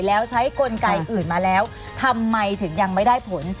แล้วใช้กลไกอื่นมาแล้วทำไมถึงยังไม่ได้ผล